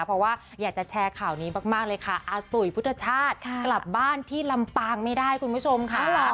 เพราะว่าอยากจะแชร์ข่าวนี้มากเลยค่ะอาตุ๋ยพุทธชาติกลับบ้านที่ลำปางไม่ได้คุณผู้ชมค่ะ